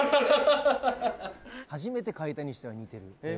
初めて描いたにしては似てるええ